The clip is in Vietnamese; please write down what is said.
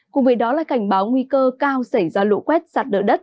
cùng với đó là cảnh báo nguy cơ cao xảy ra lũ quét sạt lở đất